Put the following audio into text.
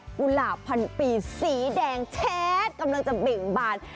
ุหลาบพันปีสีแดงแชทกำลังจะเบ่งบาน